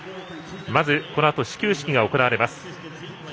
まずこのあと始球式が行われます。